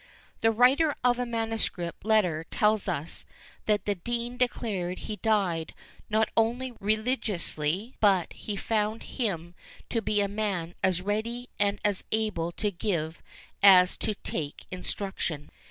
The writer of a manuscript letter tells us, that the dean declared he died not only religiously, but he found him to be a man as ready and as able to give as to take instruction.